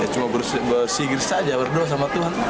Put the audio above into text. ya cuma bersigir saja berdoa sama tuhan